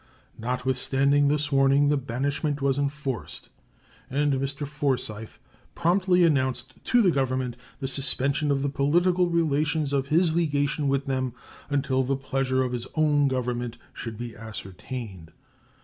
Notwithstanding this warning, the banishment was enforced, and Mr. Forsyth promptly announced to the Government the suspension of the political relations of his legation with them until the pleasure of his own Government should be ascertained.